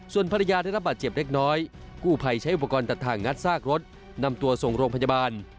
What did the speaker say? ส่วนภรรยาได้รับบาดเจ็บเล็กน้อยกู้ภัยใช้อุปกรณ์ตัดทางงัดซากรถนำตัวส่งโรงพยาบาล